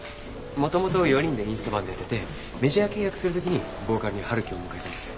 もともと４人でインストバンドやっててメジャー契約する時にボーカルに陽樹を迎えたんですよ。